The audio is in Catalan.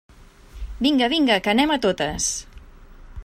Vinga, vinga, que anem a totes!